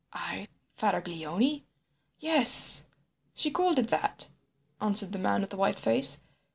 "I Faraglioni? Yes, she called it that," answered the man with the white face.